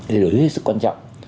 thay đổi rất là quan trọng